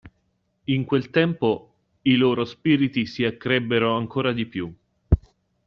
In quel tempo, i loro spiriti si accrebbero ancora di più.